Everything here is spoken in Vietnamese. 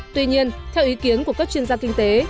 tuy nhiên theo ý kiến của các chuyên gia kinh tế